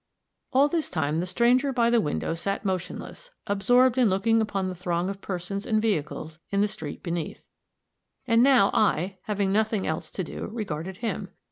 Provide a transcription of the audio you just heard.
All this time the stranger by the window sat motionless, absorbed in looking upon the throng of persons and vehicles in the street beneath; and now I, having nothing else to do, regarded him.